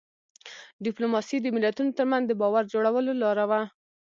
ډيپلوماسي د ملتونو ترمنځ د باور جوړولو لار وه.